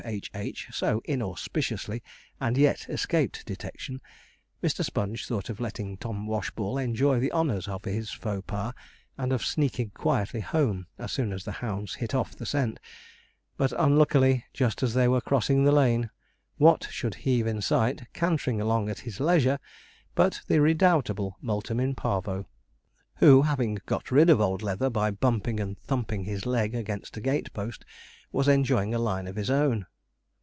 H.H.' so inauspiciously and yet escaped detection, Mr. Sponge thought of letting Tom Washball enjoy the honours of his faux pas, and of sneaking quietly home as soon as the hounds hit off the scent; but unluckily, just as they were crossing the lane, what should heave in sight, cantering along at his leisure, but the redoubtable Multum in Parvo, who, having got rid of old Leather by bumping and thumping his leg against a gate post, was enjoying a line of his own.